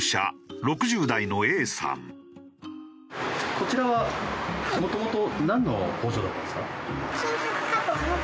こちらはもともとなんの工場だったんですか？